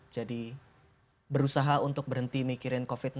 jadi berusaha untuk berhenti mikirin covid sembilan belas itu sulit